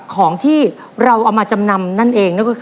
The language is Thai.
แล้ววันนี้ผมมีสิ่งหนึ่งนะครับเป็นตัวแทนกำลังใจจากผมเล็กน้อยครับ